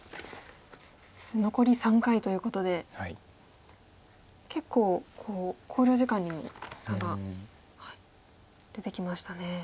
そして残り３回ということで結構考慮時間にも差が出てきましたね。